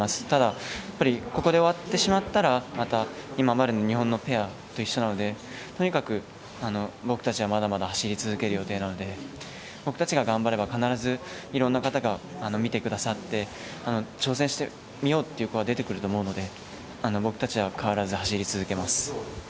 ただ、ここで終わってしまったら今までの日本のペアと一緒なのでとにかく、僕たちはまだまだ走り続ける予定なので僕たちが頑張れば必ずいろんな方が見てくださって挑戦してみようっていう子は出てくると思うので、僕たちは変わらず走り続けます。